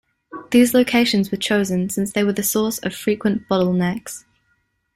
These locations were chosen since they were the source of frequent bottlenecks.